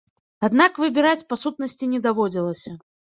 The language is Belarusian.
Аднак выбіраць, па сутнасці, не даводзілася.